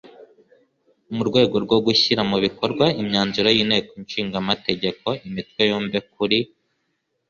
Mu rwego rwo gushyira mu bikorwa imyanzuro y Inteko Ishinga Amategeko imitwe yombi kuri